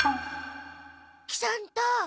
喜三太！